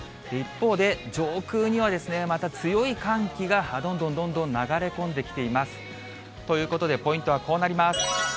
一方で、上空にはまた強い寒気がどんどんどんどん流れ込んできています。ということで、ポイントはこうなります。